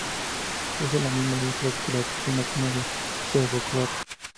Usa las misma letras que la versión latina del serbocroata.